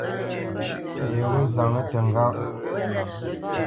Pyeʼ yé yegho nzáŋə təŋgáʼ.